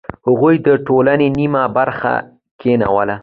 هغوی د ټولنې نیمه برخه کینوله.